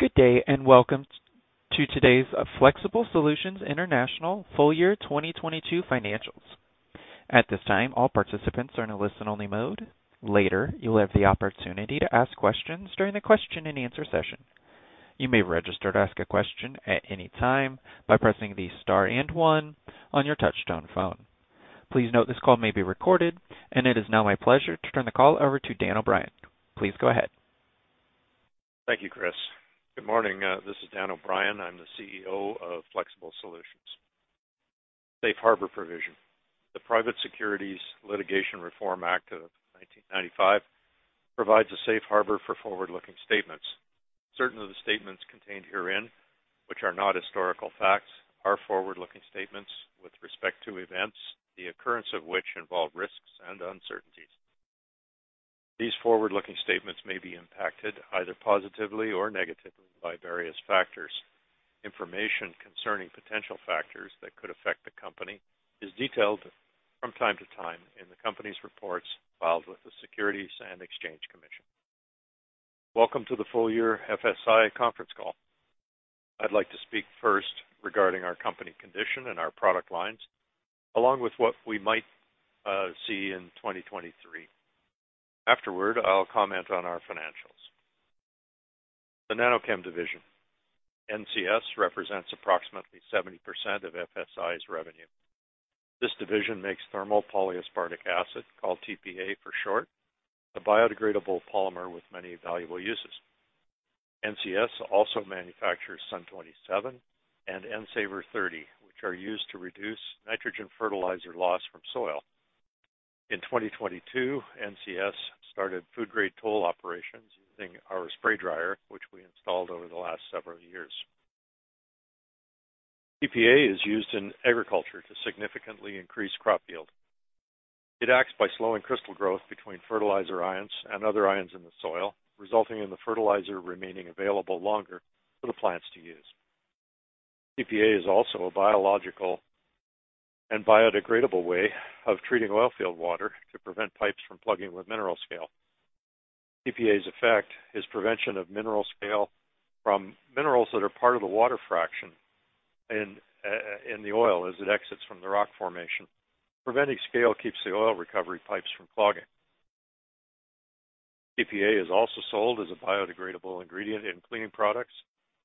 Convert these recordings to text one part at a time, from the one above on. Good day, and welcome to today's Flexible Solutions International Full Year 2022 Financials. At this time, all participants are in a listen-only mode. Later, you will have the opportunity to ask questions during the question-and-answer session. You may register to ask a question at any time by pressing the star one on your touchtone phone. Please note this call may be recorded. It is now my pleasure to turn the call over to Dan O'Brien. Please go ahead. Thank you, Chris. Good morning, this is Dan O'Brien. I'm the CEO of Flexible Solutions. Safe harbor provision. The Private Securities Litigation Reform Act of 1995 provides a safe harbor for forward-looking statements. Certain of the statements contained herein, which are not historical facts, are forward-looking statements with respect to events, the occurrence of which involve risks and uncertainties. These forward-looking statements may be impacted either positively or negatively by various factors. Information concerning potential factors that could affect the company is detailed from time to time in the company's reports filed with the Securities and Exchange Commission. Welcome to the full year FSI conference call. I'd like to speak first regarding our company condition and our product lines, along with what we might see in 2023. Afterward, I'll comment on our financials. The NanoChem division. NCS represents approximately 70% of FSI's revenue. This division makes thermal polyaspartic acid, called TPA for short, a biodegradable polymer with many valuable uses. NCS also manufactures SUN 27 and N Savr 30, which are used to reduce nitrogen fertilizer loss from soil. In 2022, NCS started food grade toll operations using our spray dryer, which we installed over the last several years. TPA is used in agriculture to significantly increase crop yield. It acts by slowing crystal growth between fertilizer ions and other ions in the soil, resulting in the fertilizer remaining available longer for the plants to use. TPA is also a biological and biodegradable way of treating oil field water to prevent pipes from plugging with mineral scale. TPA's effect is prevention of mineral scale from minerals that are part of the water fraction in the oil as it exits from the rock formation. Preventing scale keeps the oil recovery pipes from clogging. TPA is also sold as a biodegradable ingredient in cleaning products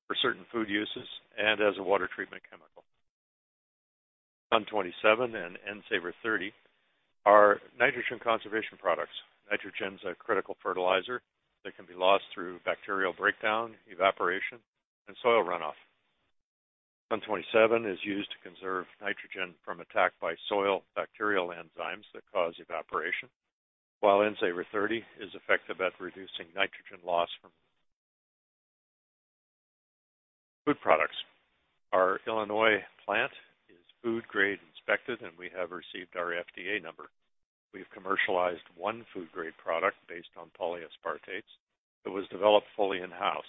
for certain food uses and as a water treatment chemical. SUN 27 and N Savr 30 are nitrogen conservation products. Nitrogen's a critical fertilizer that can be lost through bacterial breakdown, evaporation, and soil runoff. SUN 27 is used to conserve nitrogen from attack by soil bacterial enzymes that cause evaporation, while N Savr 30 is effective at reducing nitrogen loss from food products. Our Illinois plant is food grade inspected, and we have received our FDA number. We've commercialized one food grade product based on polyaspartates that was developed fully in-house.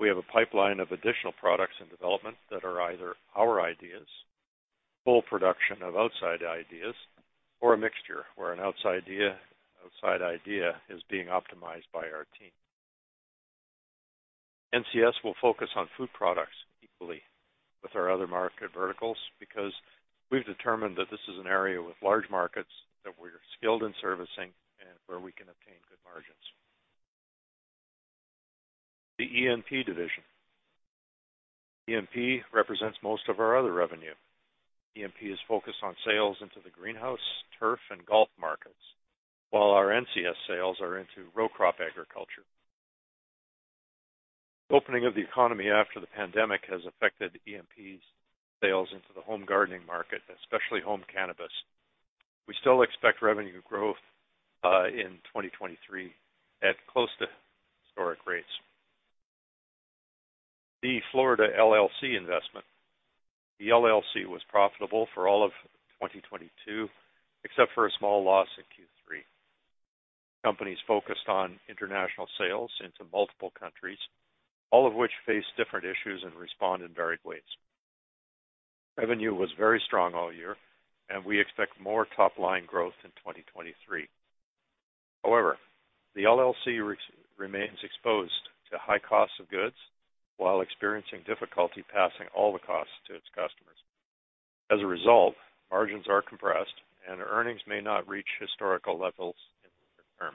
We have a pipeline of additional products in development that are either our ideas, full production of outside ideas, or a mixture where an outside idea is being optimized by our team. NCS will focus on food products equally with our other market verticals because we've determined that this is an area with large markets that we're skilled in servicing and where we can obtain good margins. The ENP division. ENP represents most of our other revenue. ENP is focused on sales into the greenhouse, turf, and golf markets, while our NCS sales are into row crop agriculture. Opening of the economy after the pandemic has affected ENP's sales into the home gardening market, especially home cannabis. We still expect revenue growth in 2023 at close to historic rates. The Florida LLC investment. The LLC was profitable for all of 2022, except for a small loss in Q3. Companies focused on international sales into multiple countries, all of which face different issues and respond in varied ways. Revenue was very strong all year. We expect more top-line growth in 2023. However, the LLC remains exposed to high costs of goods while experiencing difficulty passing all the costs to its customers. As a result, margins are compressed, and earnings may not reach historical levels in the near term.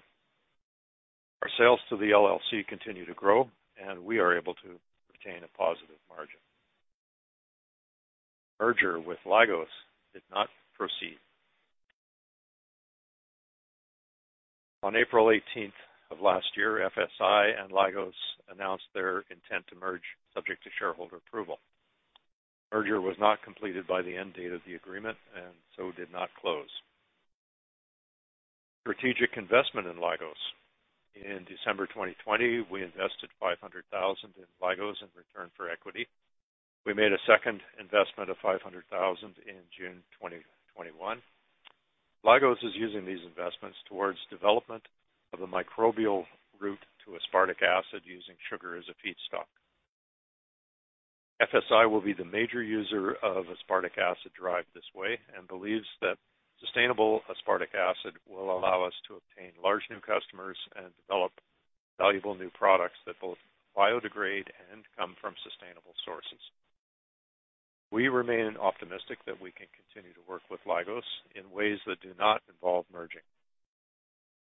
Our sales to the LLC continue to grow, and we are able to retain a positive margin. Merger with Lygos did not proceed. On April 18th of last year, FSI and Lygos announced their intent to merge subject to shareholder approval. Merger was not completed by the end date of the agreement. Did not close. Strategic investment in Lygos. In December 2020, we invested $500,000 in Lygos in return for equity. We made a second investment of $500,000 in June 2021. Lygos is using these investments towards development of a microbial route to aspartic acid using sugar as a feedstock. FSI will be the major user of aspartic acid derived this way, and believes that sustainable aspartic acid will allow us to obtain large new customers and develop valuable new products that both biodegrade and come from sustainable sources. We remain optimistic that we can continue to work with Lygos in ways that do not involve merging.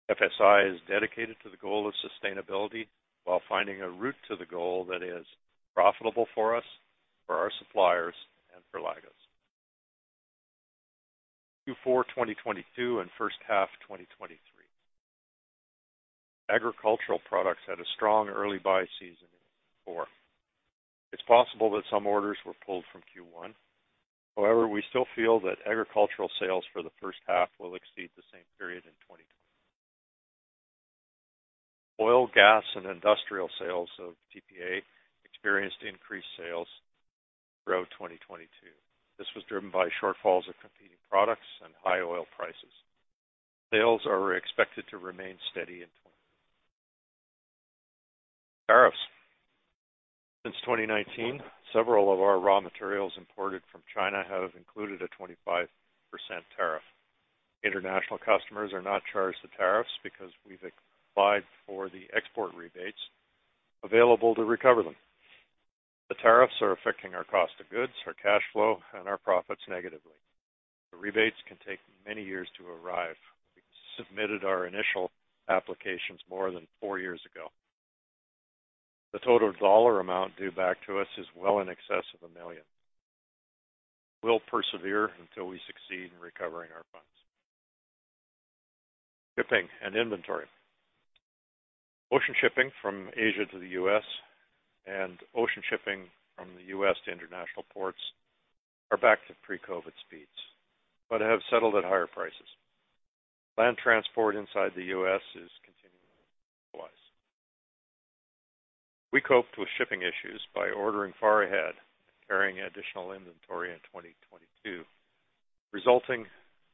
FSI is dedicated to the goal of sustainability while finding a route to the goal that is profitable for us, for our suppliers, and for Lygos. Q4 2022 and first half 2023. Agricultural products had a strong early buy season in Q4. It's possible that some orders were pulled from Q1. However, we still feel that agricultural sales for the first half will exceed the same period in 2020. Oil, gas, and industrial sales of TPA experienced increased sales throughout 2022. This was driven by shortfalls of competing products and high oil prices. Sales are expected to remain steady. Tariffs. Since 2019, several of our raw materials imported from China have included a 25% tariff. International customers are not charged the tariffs because we've applied for the export rebates available to recover them. The tariffs are affecting our cost of goods, our cash flow, and our profits negatively. The rebates can take many years to arrive. We submitted our initial applications more than four years ago. The total dollar amount due back to us is well in excess of $1 million. We'll persevere until we succeed in recovering our funds. Shipping and inventory. Ocean shipping from Asia to the US and ocean shipping from the US to international ports are back to pre-COVID speeds, but have settled at higher prices. Land transport inside the US is continuing to normalize. We coped with shipping issues by ordering far ahead and carrying additional inventory in 2022, resulting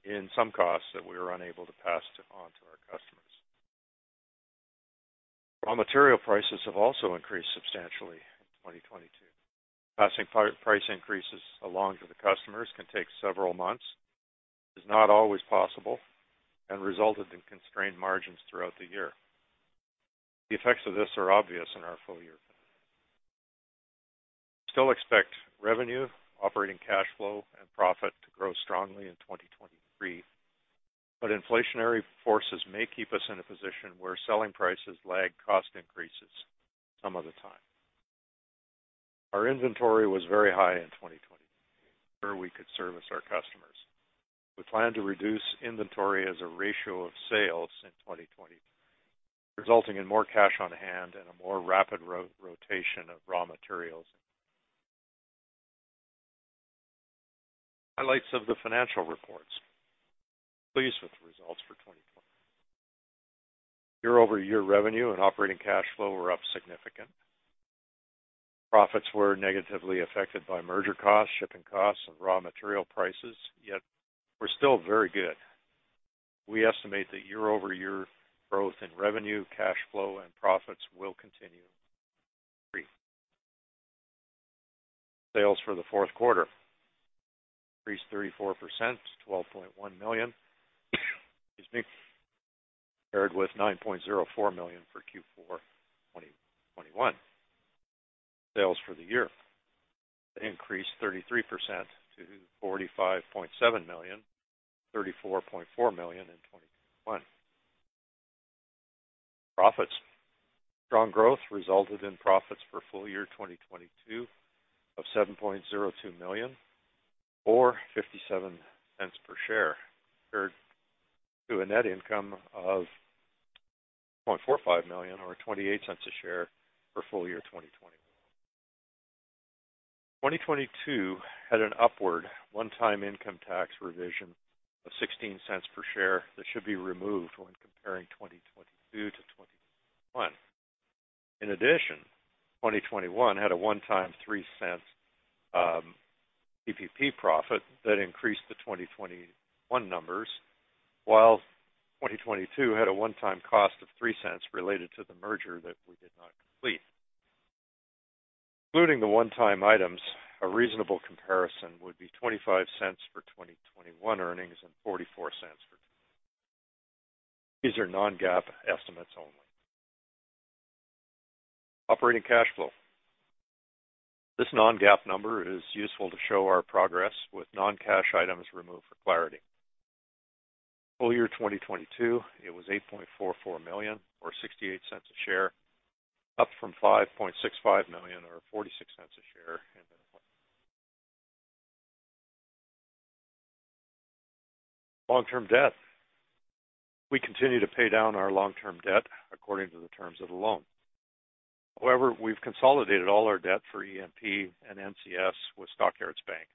in some costs that we were unable to pass on to our customers. Raw material prices have also increased substantially in 2022. Passing price increases along to the customers can take several months, is not always possible, and resulted in constrained margins throughout the year. The effects of this are obvious in our full year. Expect revenue, operating cash flow, and profit to grow strongly in 2023, inflationary forces may keep us in a position where selling prices lag cost increases some of the time. Our inventory was very high in 2022 where we could service our customers. We plan to reduce inventory as a ratio of sales in 2023, resulting in more cash on hand and a more rapid rotation of raw materials. Highlights of the financial reports. Pleased with the results for 2022. Year-over-year revenue and operating cash flow were up significant. Profits were negatively affected by merger costs, shipping costs, and raw material prices, yet were still very good. We estimate that year-over-year growth in revenue, cash flow, and profits will continue in 2023. Sales for the fourth quarter increased 34% to $12.1 million excuse me, paired with $9.04 million for Q4 2021. Sales for the year increased 33% to $45.7 million, $34.4 million in 2021. Profits. Strong growth resulted in profits for full year 2022 of $7.02 million or $0.57 per share, compared to a net income of $0.45 million or $0.28 a share for full year 2021. 2022 had an upward one-time income tax revision of $0.16 per share that should be removed when comparing 2022 to 2021. In addition, 2021 had a one-time $0.03 PVP profit that increased the 2021 numbers, while 2022 had a one-time cost of $0.03 related to the merger that we did not complete. Including the one-time items, a reasonable comparison would be $0.25 for 2021 earnings and $0.44 for 2022. These are non-GAAP estimates only. Operating cash flow. This non-GAAP number is useful to show our progress with non-cash items removed for clarity. Full year 2022, it was $8.44 million or $0.68 a share, up from $5.65 million or $0.46 a share in 2021. Long-term debt. We continue to pay down our long-term debt according to the terms of the loan. We've consolidated all our debt for ENP and NCS with Stock Yards Bank.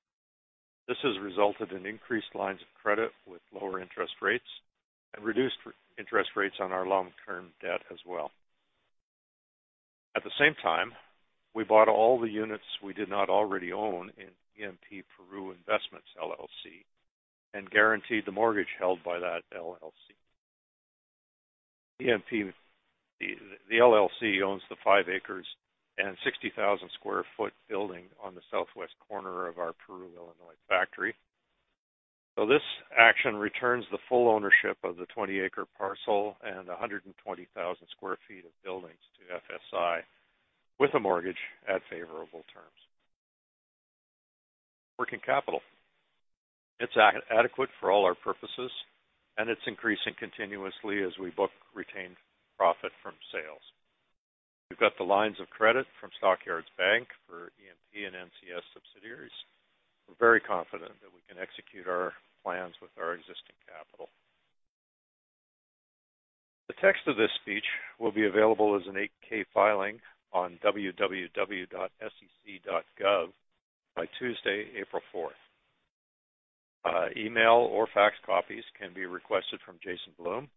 This has resulted in increased lines of credit with lower interest rates, and reduced interest rates on our long-term debt as well. We bought all the units we did not already own in ENP Peru Investments LLC, and guaranteed the mortgage held by that LLC. The LLC owns the five acres and 60,000 sq ft building on the southwest corner of our Peru, Illinois factory. This action returns the full ownership of the 20-acre parcel and 120,000 square feet of buildings to FSI with a mortgage at favorable terms. Working capital. It's adequate for all our purposes, and it's increasing continuously as we book retained profit from sales. We've got the lines of credit from Stock Yards Bank for ENP and NCS subsidiaries. We're very confident that we can execute our plans with our existing capital. The text of this speech will be available as an 8-K filing on www.sec.gov by Tuesday, April 4th. Email or fax copies can be requested from Jason Bloom,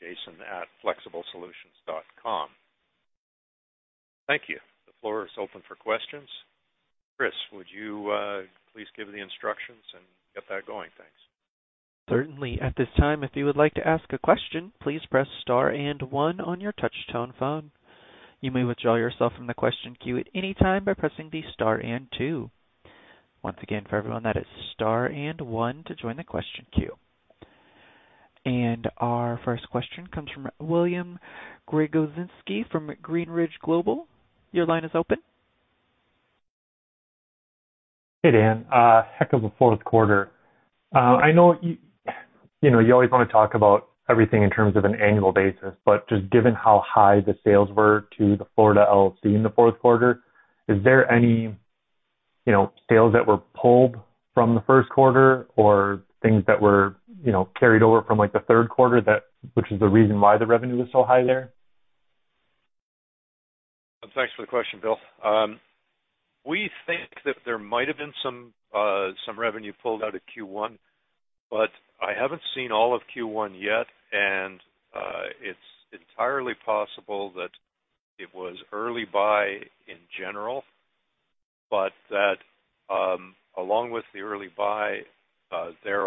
jason@flexiblesolutions.com. Thank you. The floor is open for questions. Chris, would you please give the instructions and get that going? Thanks. Certainly. At this time, if you would like to ask a question, please press star and one on your touch tone phone. You may withdraw yourself from the question queue at any time by pressing the star and two. Once again, for everyone, that is star and one to join the question queue. Our first question comes from William Gregozeski from Greenridge Global. Your line is open. Hey, Dan. Heck of a fourth quarter. I know you know, you always wanna talk about everything in terms of an annual basis, just given how high the sales were to the Florida LLC in the fourth quarter, is there any, you know, sales that were pulled from the first quarter or things that were, you know, carried over from, like, the third quarter which is the reason why the revenue was so high there? Thanks for the question, Bill. We think that there might have been some revenue pulled out of Q1, I haven't seen all of Q1 yet, it's entirely possible that it was early buy in general. That, along with the early buy, there's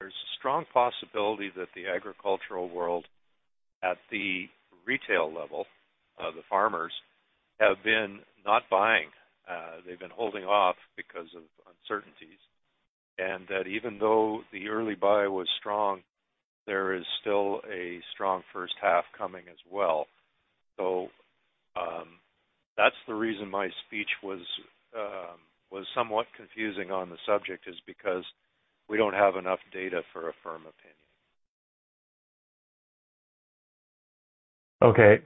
a strong possibility that the agricultural world at the retail level, the farmers, have been not buying, they've been holding off because of uncertainties. That even though the early buy was strong, there is still a strong first half coming as well. That's the reason my speech was somewhat confusing on the subject, is because we don't have enough data for a firm opinion. Okay.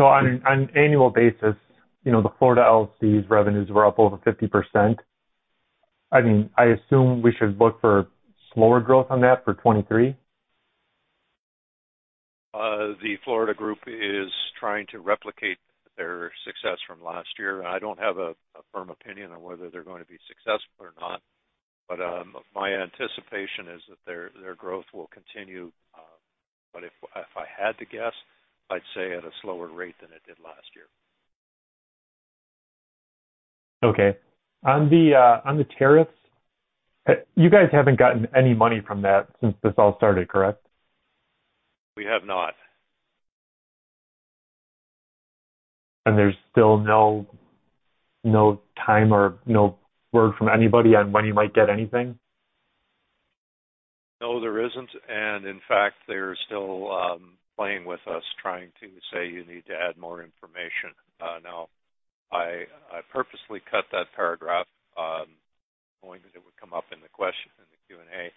On an annual basis, you know, the Florida LLC's revenues were up over 50%. I mean, I assume we should look for slower growth on that for 2023? The Florida LLC is trying to replicate their success from last year. I don't have a firm opinion on whether they're going to be successful or not, my anticipation is that their growth will continue. If I had to guess, I'd say at a slower rate than it did last year. Okay. On the, on the tariffs, you guys haven't gotten any money from that since this all started, correct? We have not. There's still no time or no word from anybody on when you might get anything? No, there isn't. In fact, they're still playing with us, trying to say you need to add more information. Now I purposely cut that paragraph, knowing that it would come up in the Q&A.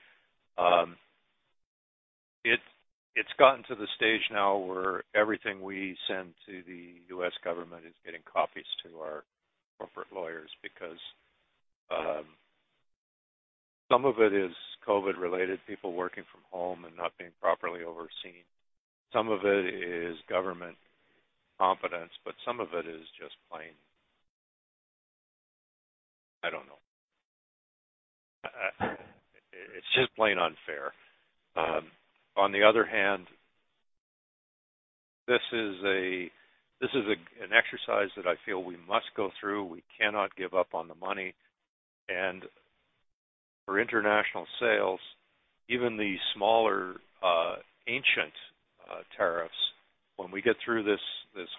It's gotten to the stage now where everything we send to the U.S. government is getting copies to our corporate lawyers because some of it is COVID-related, people working from home and not being properly overseen. Some of it is government competence, but some of it is just plain... I don't know. It's just plain unfair. On the other hand, this is an exercise that I feel we must go through. We cannot give up on the money and for international sales, even the smaller, ancient, tariffs, when we get through this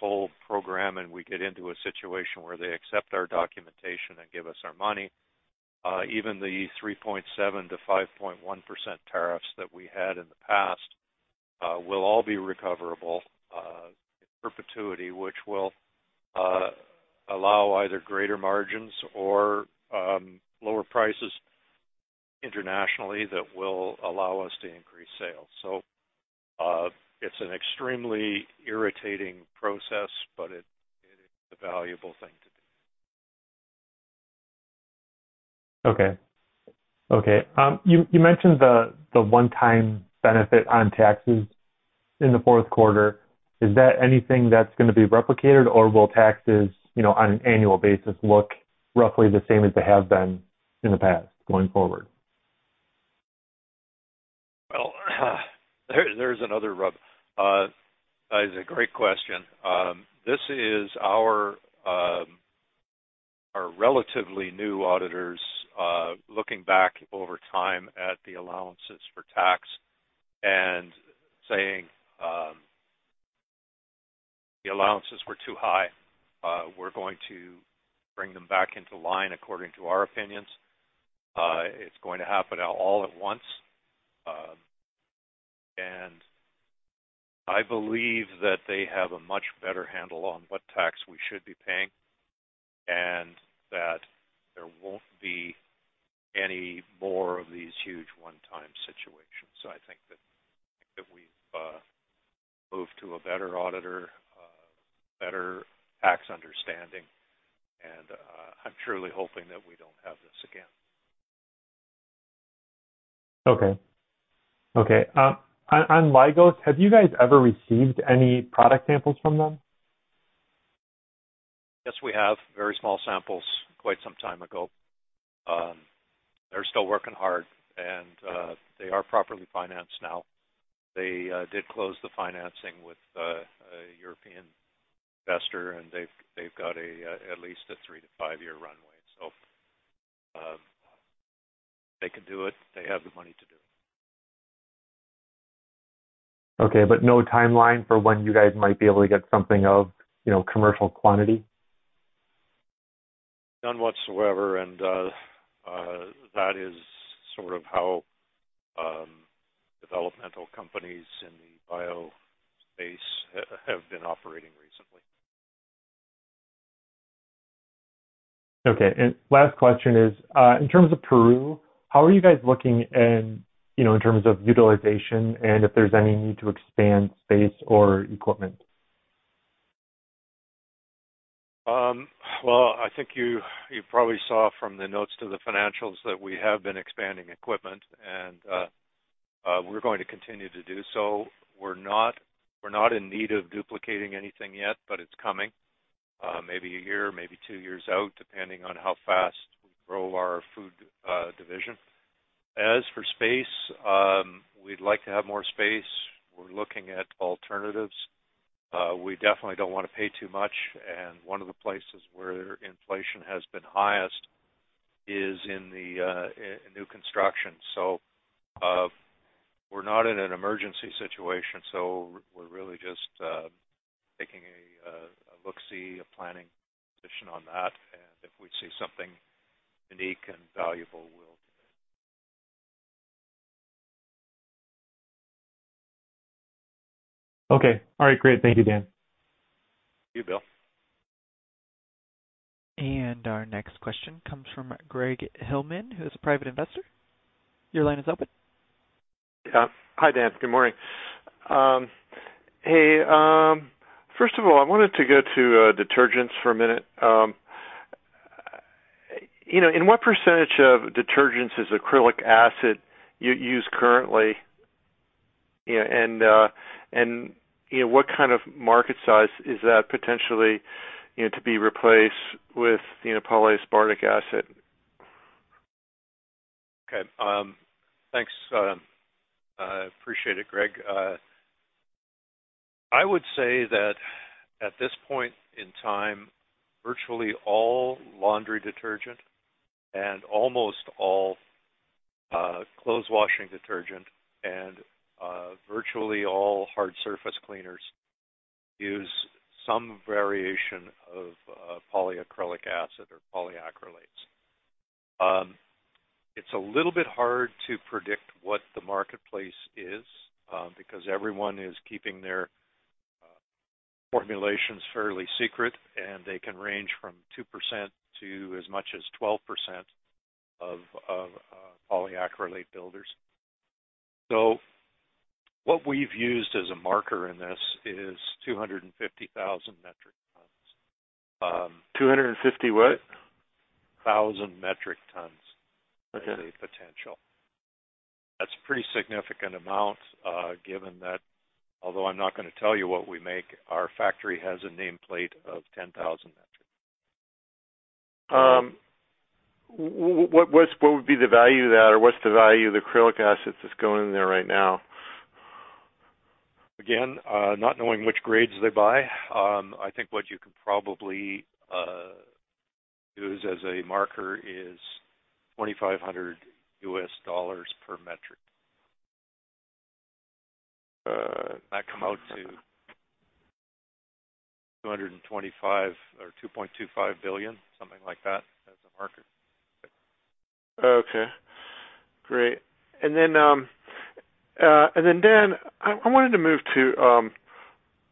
whole program and we get into a situation where they accept our documentation and give us our money, even the 3.7%-5.1% tariffs that we had in the past, will all be recoverable, in perpetuity, which will, allow either greater margins or, lower prices internationally that will allow us to increase sales. It's an extremely irritating process, but it is a valuable thing to do. Okay. You mentioned the one-time benefit on taxes in the fourth quarter. Is that anything that's gonna be replicated, or will taxes, you know, on an annual basis look roughly the same as they have been in the past going forward? There is another rub. That is a great question. This is our relatively new auditors, looking back over time at the allowances for tax and saying, the allowances were too high. We're going to bring them back into line according to our opinions. It's going to happen all at once. I believe that they have a much better handle on what tax we should be paying, and that there won't be any more of these huge one-time situations. I think that we've moved to a better auditor, better tax understanding, and I'm truly hoping that we don't have this again. Okay. Okay. On Lygos, have you guys ever received any product samples from them? Yes, we have. Very small samples quite some time ago. They're still working hard and they are properly financed now. They did close the financing with a European investor, and they've got a at least a three to five-year runway. They can do it. They have the money to do it. Okay. No timeline for when you guys might be able to get something of, you know, commercial quantity? None whatsoever. That is sort of how developmental companies in the bio space have been operating recently. Okay. Last question is in terms of Peru, how are you guys looking in, you know, in terms of utilization and if there's any need to expand space or equipment? Well, I think you probably saw from the notes to the financials that we have been expanding equipment, and we're going to continue to do so. We're not in need of duplicating anything yet, but it's coming, maybe a year, maybe two years out, depending on how fast we grow our food division. As for space, we'd like to have more space. We're looking at alternatives. We definitely don't wanna pay too much. One of the places where inflation has been highest is in new construction. We're not in an emergency situation, we're really just taking a look-see, a planning position on that. If we see something unique and valuable, we'll do it. Okay. All right, great. Thank you, Dan. Thank you, Bill. Our next question comes from Gregg Hillman, who is a Private Investor. Your line is open. Yeah. Hi, Dan. Good morning. Hey, first of all, I wanted to go to detergents for a minute. You know, in what percentage of detergents is acrylic acid you use currently? What kind of market size is that potentially, you know, to be replaced with, you know, polyaspartic acid? Okay. Thanks, appreciate it, Gregg. I would say that at this point in time, virtually all laundry detergent and almost all clothes washing detergent and virtually all hard surface cleaners use some variation of polyacrylic acid or polyacrylates. It's a little bit hard to predict what the marketplace is because everyone is keeping their formulations fairly secret, and they can range from 2% to as much as 12% of polyacrylate builders. What we've used as a marker in this is 250,000 metric tons. 250 what? 1,000 metric tons. Okay is the potential. That's a pretty significant amount, given that, although I'm not gonna tell you what we make, our factory has a nameplate of 10,000 metric tons. What's, what would be the value of that? What's the value of the acrylic acid that's going in there right now? Not knowing which grades they buy, I think what you can probably use as a marker is $2,500 per metric. Uh- That come out to $225 or $2.25 billion, something like that, as a market. Okay, great. Then, Dan, I wanted to move to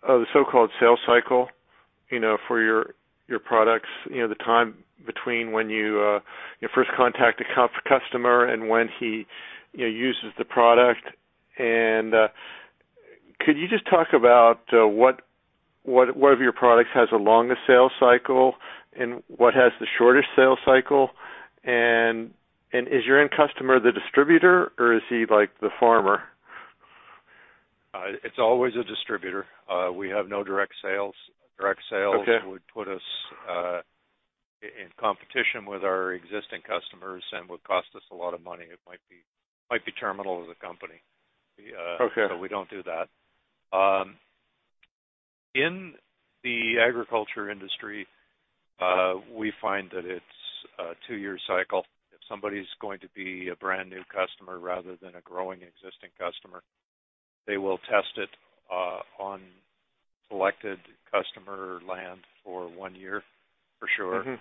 the so-called sales cycle, you know, for your products. You know, the time between when you first contact a customer and when he, you know, uses the product. Could you just talk about what of your products has the longest sales cycle and what has the shortest sales cycle? Is your end customer the distributor or is he like the farmer? It's always a distributor. We have no direct sales. Okay would put us in competition with our existing customers and would cost us a lot of money. It might be terminal to the company. We. Okay we don't do that. In the agriculture industry, we find that it's a two-year cycle. If somebody's going to be a brand new customer rather than a growing existing customer, they will test it on selected customer land for one year for sure. Mm-hmm.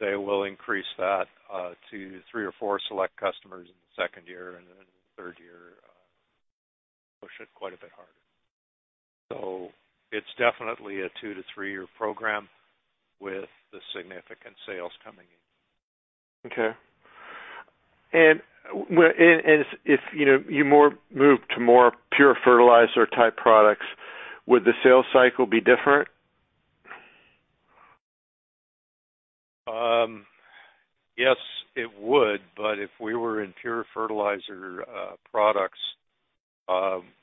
They will increase that to three or four select customers in the 2nd year, and then in the 3rd year, push it quite a bit harder. It's definitely a two to three-year program with the significant sales coming in. Okay. If, you know, you move to more pure fertilizer type products, would the sales cycle be different? Yes, it would. If we were in pure fertilizer products,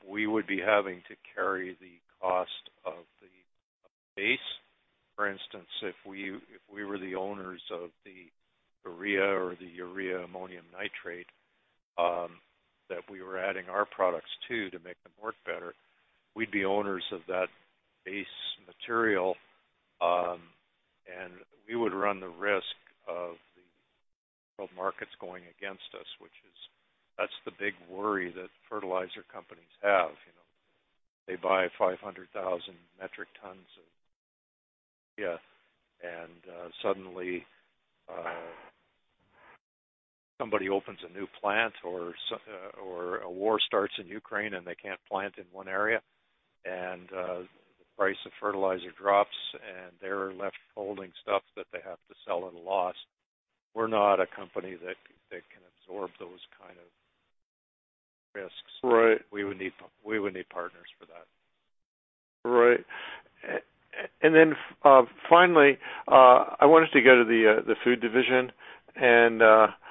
we would be having to carry the cost of the base. For instance, if we were the owners of the urea or the urea ammonium nitrate, that we were adding our products to make them work better, we'd be owners of that base material. We would run the risk of the markets going against us, which is, that's the big worry that fertilizer companies have. You know, they buy 500,000 metric tons of urea, and suddenly, somebody opens a new plant or a war starts in Ukraine, and they can't plant in one area. The price of fertilizer drops, and they're left holding stuff that they have to sell at a loss. We're not a company that can absorb those kind of risks. Right. We would need partners for that. Right. Finally, I wanted to go to the food division and what foods is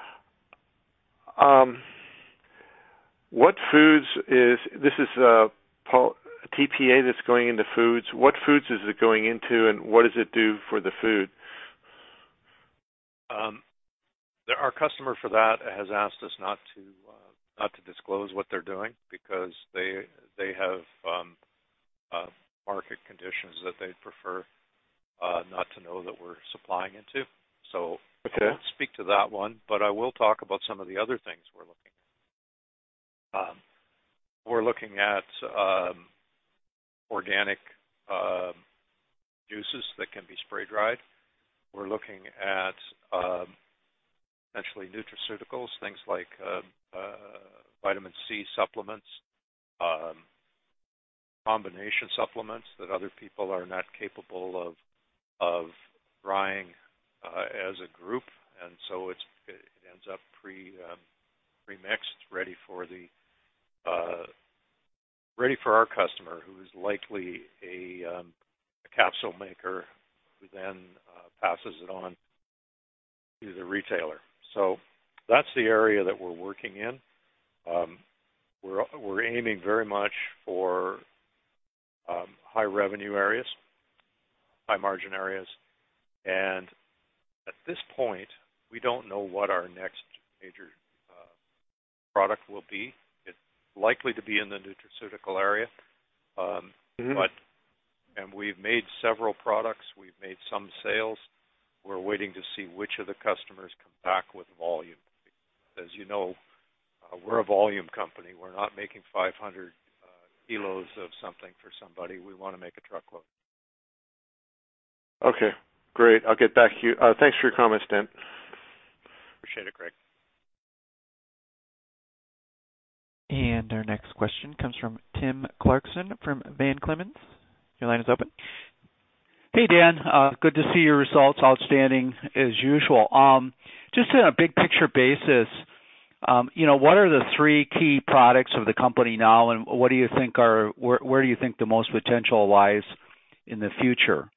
this is TPA that's going into foods. What foods is it going into, and what does it do for the food? Our customer for that has asked us not to disclose what they're doing because they have market conditions that they'd prefer not to know that we're supplying into. Okay. I won't speak to that one, but I will talk about some of the other things we're looking at. We're looking at organic juices that can be spray dried. We're looking at potentially nutraceuticals, things like vitamin C supplements, combination supplements that other people are not capable of drying as a group. It ends up pre-mixed, ready for our customer, who is likely a capsule maker who then passes it on to the retailer. That's the area that we're working in. We're aiming very much for high revenue areas, high margin areas. At this point, we don't know what our next major product will be. It's likely to be in the nutraceutical area. Mm-hmm. We've made several products. We've made some sales. We're waiting to see which of the customers come back with volume. As you know, we're a volume company. We're not making 500 kilos of something for somebody. We wanna make a truckload. Okay, great. I'll get back to you. Thanks for your comments, Dan. Appreciate it, Gregg. Our next question comes from Tim Clarkson from Van Clemens. Your line is open. Hey, Dan. good to see your results. Outstanding as usual. Just in a big picture basis, you know, what are the three key products of the company now, and where do you think the most potential lies in the future?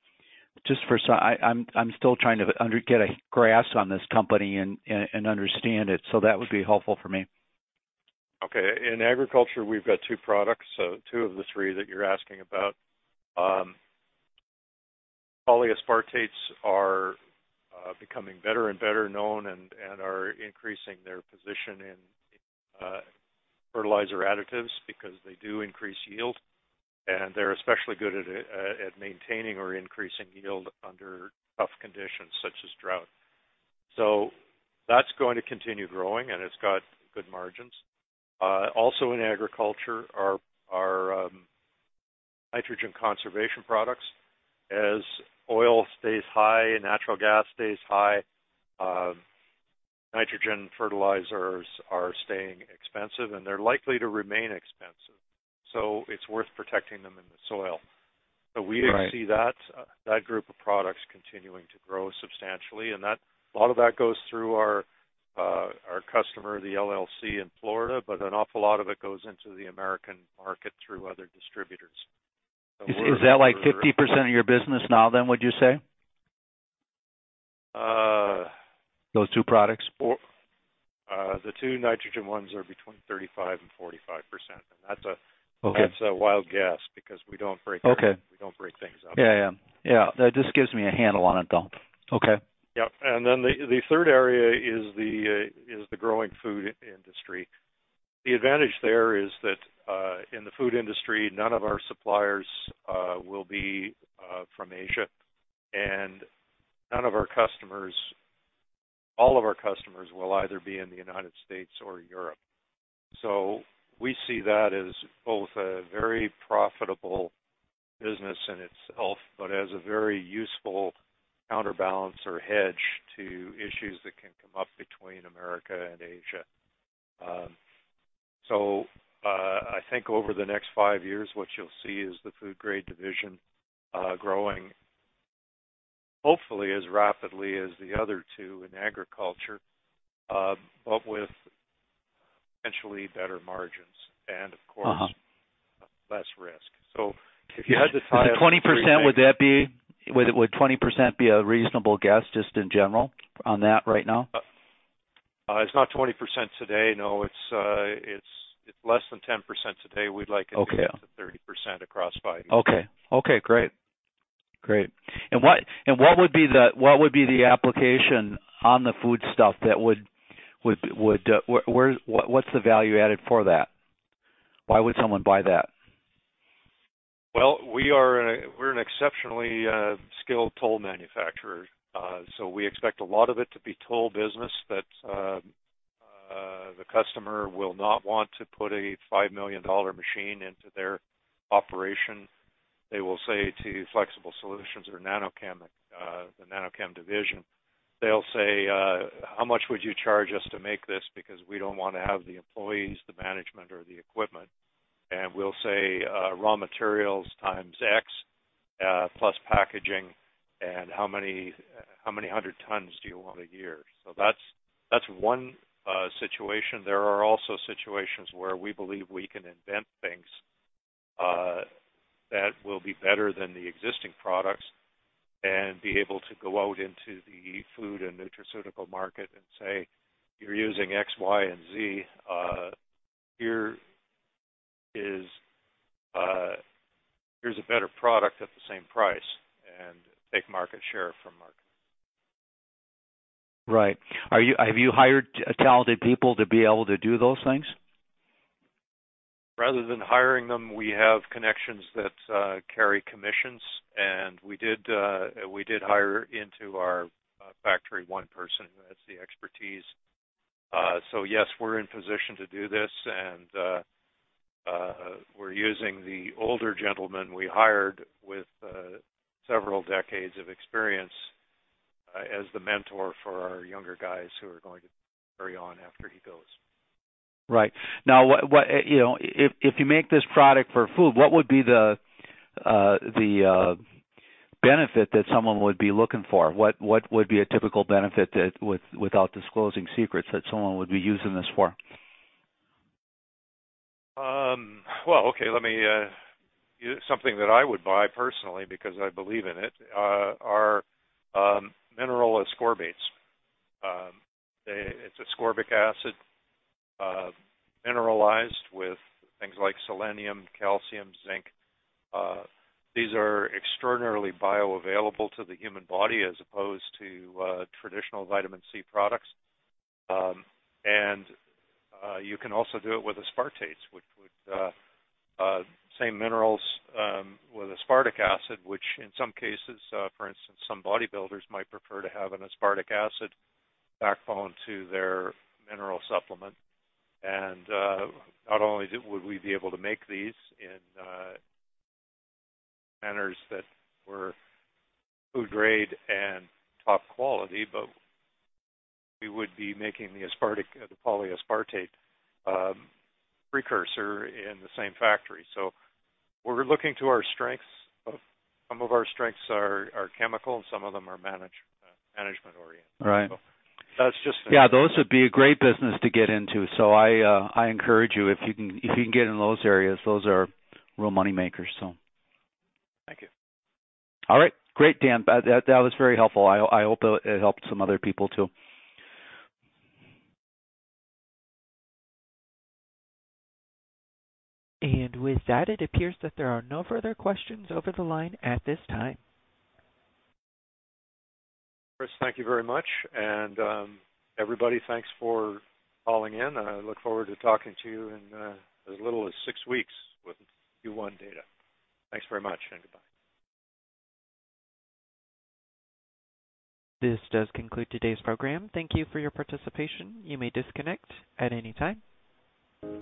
I'm still trying to get a grasp on this company and understand it, that would be helpful for me. Okay. In agriculture, we've got two products, so two of the three that you're asking about. Polyaspartates are becoming better and better known and are increasing their position in fertilizer additives because they do increase yield, and they're especially good at maintaining or increasing yield under tough conditions such as drought. That's going to continue growing, and it's got good margins. Also in agriculture are nitrogen conservation products. As oil stays high and natural gas stays high, nitrogen fertilizers are staying expensive, and they're likely to remain expensive, so it's worth protecting them in the soil. Right. We see that group of products continuing to grow substantially, and a lot of that goes through our customer, Florida LLC, but an awful lot of it goes into the American market through other distributors. Is that like 50% of your business now then, would you say? Uh. Those two products. The 2 nitrogen ones are between 35% and 45%. Okay. That's a wild guess because we don't. Okay. We don't break things out. Yeah, yeah. Yeah. That just gives me a handle on it, though. Okay. Yep. The third area is the growing food industry. The advantage there is that in the food industry, none of our suppliers will be from Asia, and all of our customers will either be in the United States or Europe. We see that as both a very profitable business in itself, but as a very useful counterbalance or hedge to issues that can come up between America and Asia. I think over the next five years, what you'll see is the food grade division growing hopefully as rapidly as the other two in agriculture, but with potentially better margins and of course- Uh-huh. Less risk. If you had to tie up- 20%, would 20% be a reasonable guess just in general on that right now? It's not 20% today, no. It's less than 10% today. Okay. To be up to 30% across five years. Okay. Okay, great. Great. what would be the application on the foodstuff what's the value added for that? Why would someone buy that? We are, we're an exceptionally skilled toll manufacturer. We expect a lot of it to be toll business that the customer will not want to put a $5 million machine into their operation. They will say to Flexible Solutions or NanoChem, the NanoChem division. They'll say, "How much would you charge us to make this? Because we don't wanna have the employees, the management or the equipment." We'll say, raw materials times X, plus packaging and how many 100 tons do you want a year? That's one situation. There are also situations where we believe we can invent things that will be better than the existing products and be able to go out into the food and nutraceutical market and say, "You're using X, Y, and Z. here is, here's a better product at the same price," and take market share from them. Right. Have you hired talented people to be able to do those things? Rather than hiring them, we have connections that carry commissions. We did hire into our factory one person who has the expertise. Yes, we're in position to do this. We're using the older gentleman we hired with several decades of experience as the mentor for our younger guys who are going to carry on after he goes. Right. Now, what, you know, if you make this product for food, what would be the benefit that someone would be looking for? What would be a typical benefit that, without disclosing secrets, that someone would be using this for? Well, okay. Let me, something that I would buy personally because I believe in it, are mineral ascorbates. It's ascorbic acid, mineralized with things like selenium, calcium, zinc. These are extraordinarily bioavailable to the human body as opposed to traditional vitamin C products. You can also do it with aspartates, which would, same minerals, with aspartic acid, which in some cases, for instance, some bodybuilders might prefer to have an aspartic acid backbone to their mineral supplement. Not only would we be able to make these in manners that were food grade and top quality, but we would be making the aspartic, the polyaspartate, precursor in the same factory. We're looking to our strengths of... Some of our strengths are chemical and some of them are management-oriented. Right. That's just. Yeah, those would be a great business to get into. I encourage you, if you can get in those areas, those are real moneymakers, so. Thank you. All right. Great, Dan. That was very helpful. I hope it helped some other people too. With that, it appears that there are no further questions over the line at this time. Chris, thank you very much. Everybody, thanks for calling in. I look forward to talking to you in as little as six weeks with Q1 data. Thanks very much and goodbye. This does conclude today's program. Thank you for your participation. You may disconnect at any time.